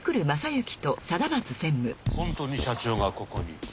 ほんとに社長がここに？